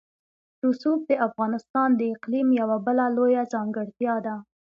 رسوب د افغانستان د اقلیم یوه بله لویه ځانګړتیا ده.